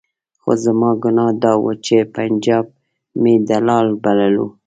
خو زما ګناه دا وه چې پنجاب مې دلال بللو.